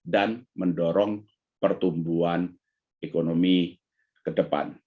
mendorong pertumbuhan ekonomi ke depan